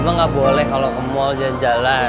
emang gak boleh kalo ke mall jangan jalan